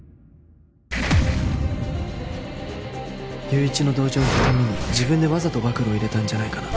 友一の同情を引くために自分でわざと暴露を入れたんじゃないかな？